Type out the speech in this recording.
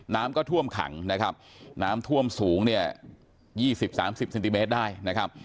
น้ำก็ท่วมขังนะครับน้ำท่วมสูงเนี่ย๒๐๓๐เซนติเมตรได้นะครับ